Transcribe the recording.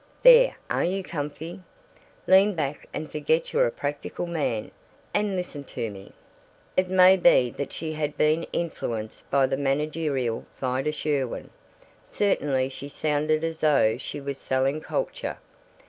There, are you comfy? Lean back and forget you're a practical man, and listen to me." It may be that she had been influenced by the managerial Vida Sherwin; certainly she sounded as though she was selling culture.